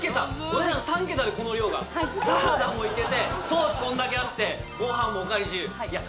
お値段３桁でこの量がサラダもいけてソースこんだけあってごはんもおかわり自由いや